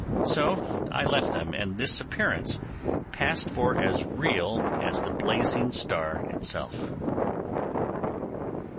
So I left them; and this appearance passed for as real as the blazing star itself.